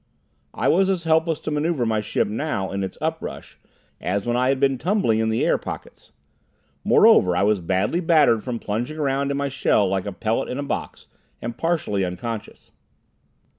I was as helpless to maneuver my ship now, in its up rush, as when I had been tumbling in the air pockets. Moreover I was badly battered from plunging around in my shell like a pellet in a box, and partially unconscious.